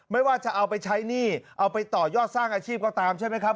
ไม่ว่าจะเอาไปใช้หนี้เอาไปต่อยอดสร้างอาชีพก็ตามใช่ไหมครับ